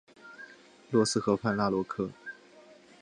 洛斯河畔拉罗科。